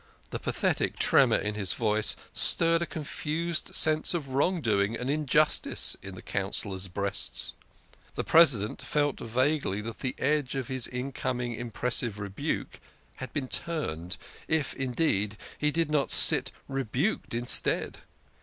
The pathetic tremor in his voice stirred a confused sense of wrong doing and injustice in the Councillors' breasts. The President felt vaguely that the edge of his coming impressive rebuke had been turned, if, indeed, he did not sit rebuked instead.